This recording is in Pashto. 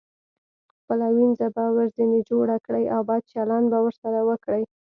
خپله وينځه به ورځنې جوړه کړئ او بد چلند به ورسره وکړئ.